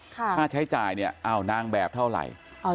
ค่าใช้จ่ายเนี่ยอ้าวนางแบบเท่าไหร่